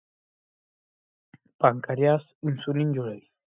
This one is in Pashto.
پانکریاس انسولین جوړوي.